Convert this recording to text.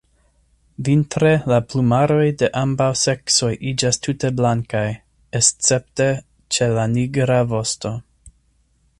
Vintre la plumaroj de ambaŭ seksoj iĝas tute blankaj, escepte ĉe la nigra vosto.